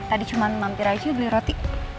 tadi cuma mampir aja beli roti